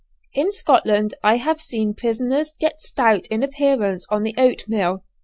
In Scotland I have seen prisoners get stout in appearance on the oatmeal!